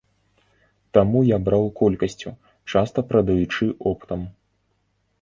Таму я браў колькасцю, часта прадаючы оптам.